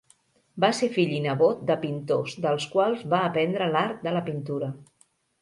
Va ser fill i nebot de pintors dels quals va aprendre l'art de la pintura.